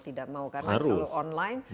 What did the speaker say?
tidak mau karena selalu online